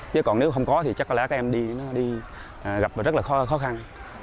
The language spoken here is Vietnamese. chứ còn nếu không có thì chắc là các em đi gặp rất là khó khăn